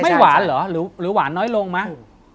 ไม่หวานหรือหวานน้อยลงมั้ย